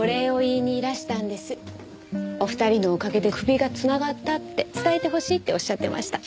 お二人のおかげで首がつながったって伝えてほしいって仰ってました。